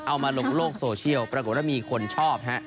เอามาลงโลกโซเชียลปรากฏว่ามีคนชอบฮะ